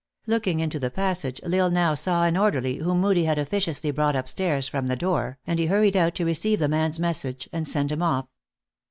Looking into the passage, L Isle now saw an orderly, whom Moodie had officiously brought up stairs from the door, and he hurried out to receive the man s mes sage, and send him off.